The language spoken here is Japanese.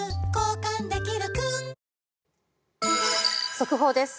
速報です。